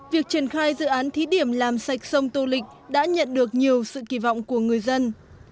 việc triển khai dự án thí điểm làm sạch sông tô lịch đã nhận được nhiều sự kỳ vọng của người dân